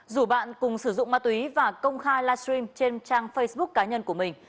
dù bạn cùng sử dụng ma túy và công khai live stream trên trang facebook cá nhân của mình